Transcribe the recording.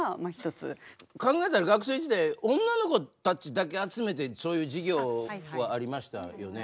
考えたら学生時代女の子たちだけ集めてそういう授業はありましたよね。